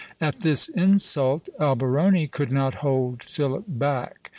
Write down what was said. At this insult, Alberoni could not hold Philip back.